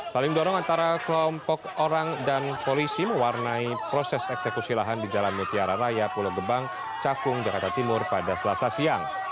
saling dorong antara kelompok orang dan polisi mewarnai proses eksekusi lahan di jalan mutiara raya pulau gebang cakung jakarta timur pada selasa siang